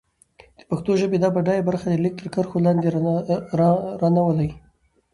د پښتو ژبې دا بډايه برخه د ليک تر کرښو لاندې را نه ولي.